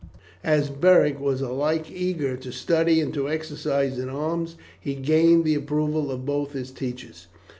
As Beric was alike eager to study and to exercise in arms, he gained the approval of both his teachers.